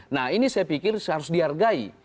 nah ini saya pikir harus dihargai